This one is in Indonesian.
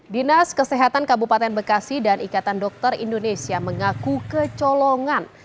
dinas kesehatan kabupaten bekasi dan ikatan dokter indonesia mengaku kecolongan